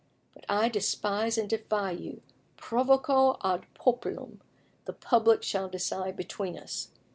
But I despise and defy you: provoco ad populum; the public shall decide between us."